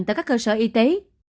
tại các cơ sở y tế